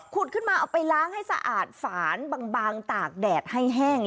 ขึ้นมาเอาไปล้างให้สะอาดฝานบางตากแดดให้แห้ง